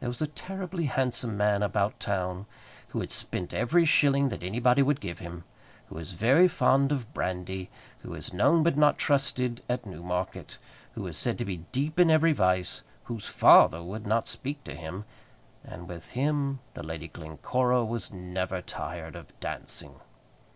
There was a terribly handsome man about town, who had spent every shilling that anybody would give him, who was very fond of brandy, who was known, but not trusted, at Newmarket, who was said to be deep in every vice, whose father would not speak to him; and with him the Lady Glencora was never tired of dancing.